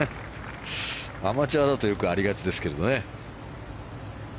アマチュアだとよくありがちですけどね。